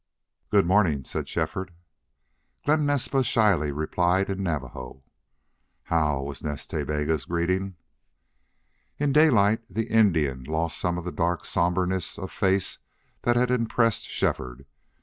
"Good morning," said Shefford. Glen Naspa shyly replied in Navajo. "How," was Nas Ta Bega's greeting. In daylight the Indian lost some of the dark somberness of face that had impressed Shefford.